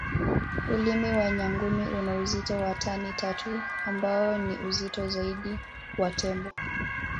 Ulimi wa nyangumi una uzito wa tani tatu ambao ni uzito zaidi wa Tembo